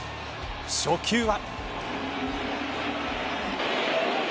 初球は。